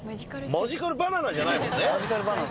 マジカルバナナじゃない。